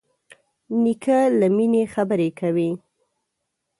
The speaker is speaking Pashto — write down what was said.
نیکه له مینې خبرې کوي.